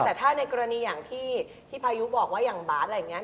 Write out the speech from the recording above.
แต่ถ้าในกรณีอย่างที่พายุบอกว่าอย่างบาทอะไรอย่างนี้